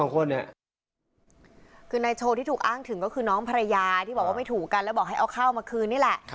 ก็คือน้องภรรยาที่บอกว่าไม่ถูกกันแล้วบอกให้เอาข้าวมาคืนนี่แหละ